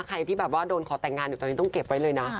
ใครที่แบบว่าโดนขอแต่งงานอยู่ตอนนี้ต้องเก็บไว้เลยนะ